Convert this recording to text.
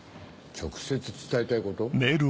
「直接伝えたいこと」？